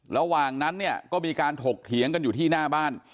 ระหว่างนั้นเนี่ยก็มีการถกเถียงกันอยู่ที่หน้าบ้าน